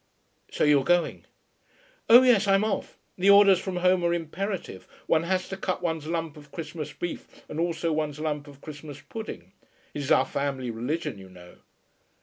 "So you're going?" "Oh yes, I'm off. The orders from home are imperative. One has to cut one's lump of Christmas beef and also one's lump of Christmas pudding. It is our family religion, you know."